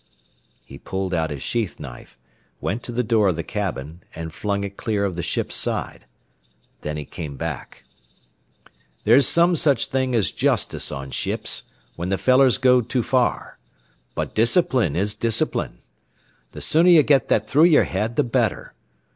He pulled out his sheath knife, went to the door of the cabin, and flung it clear of the ship's side. Then he came back. "There's some such thing as justice on ships, when the fellers go too far; but discipline is discipline. The sooner ye get that through yer head, the better.